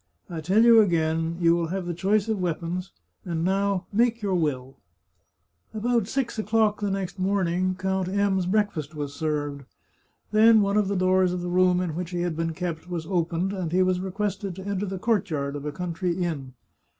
I tell you again, you will have the choice of weapons, and now, make your will 1 " About six o'clock the next morning, Count M 's breakfast was served. Then one of the doors of the room in which he had been kept was opened, and he was requested to enter the courtyard of a country inn.